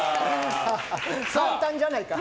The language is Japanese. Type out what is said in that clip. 簡単じゃないか。